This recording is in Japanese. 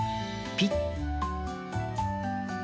ピッ！